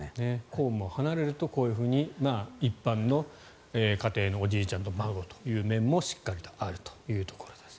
公務を離れるとこういうふうに一般の家庭のおじいちゃんと孫の面もしっかりとあるというところです。